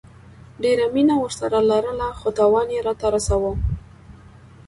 ډيره مينه ورسره لرله خو تاوان يي راته رسوو